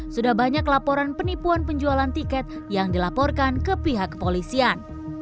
sudah banyak laporan penipuan penjualan tiket yang dilaporkan ke pihak kepolisian